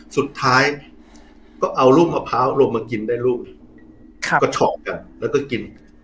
สุดท้ายก็เอาลูกมะพร้าวลงมากินได้ลูกก็เฉาะกันแล้วก็กิน